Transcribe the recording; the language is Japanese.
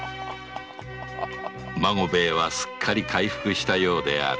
孫兵衛はすっかり回復したようである